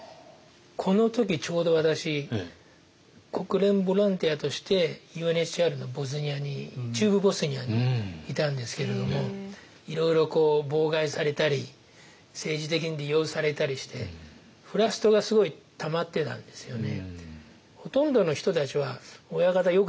この時ちょうど私国連ボランティアとしてＵＮＨＣＲのボスニアに中部ボスニアにいたんですけれどもいろいろ妨害されたり政治的に利用されたりしてフラストがすごいたまってたんですよね。